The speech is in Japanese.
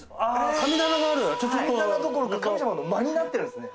神棚どころか神様の間になってるんですね。